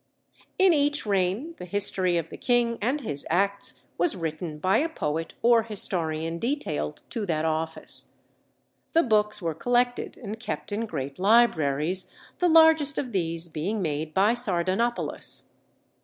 In each reign the history of the king and his acts was written by a poet or historian detailed to that office. The "books" were collected and kept in great libraries, the largest of these being made by Sardanapalus.